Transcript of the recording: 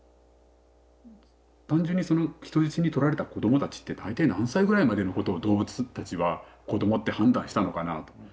単純にその人質にとられた子どもたちって大体何歳くらいまでのことを動物たちは子どもって判断したのかなあと。